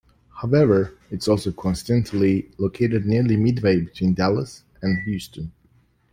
However, it is also coincidentally located nearly midway between Dallas and Houston.